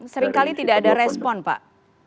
seringkali tidak ada respon pak